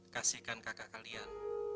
kasihkan kakak kalian